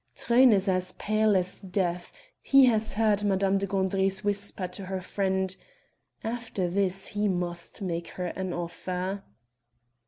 Truyn is as pale as death; he has heard Madame de Gandry's whisper to her friend: "After this he must make her an offer."